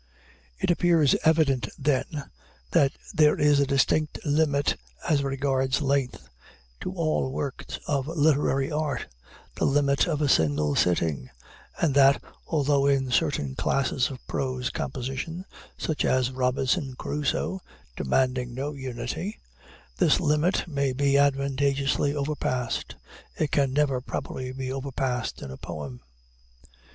It appears evident, then, that there is a distinct limit, as regards length, to all works of literary art the limit of a single sitting and that, although in certain classes of prose composition, such as Robinson Crusoe, (demanding no unity,) this limit may be advantageously overpassed, it can never properly be overpassed in a poem.